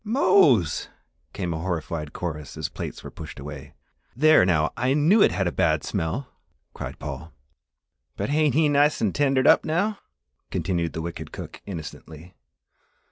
"Mose!" came a horrified chorus as plates were pushed away. "There now, I knew it had a bad smell!" cried Paul. "But hain't he nice an' tendered up now," continued the wicked cook, innocently.